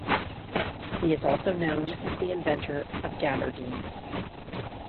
He is also known as the inventor of gabardine.